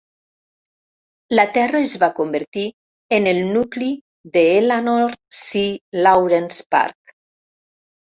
La terra es va convertir en el nucli de Ellanor C. Lawrence Park.